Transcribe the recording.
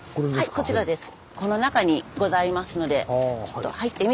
はいこちらです。